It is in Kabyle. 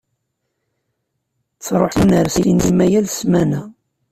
Ttṛuḥun ar ssinima yal ssmana.